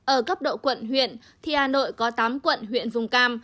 ở cấp độ quận huyện thì hà nội có tám quận huyện vùng cam